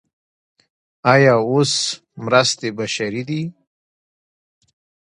آیا اوس مرستې بشري دي؟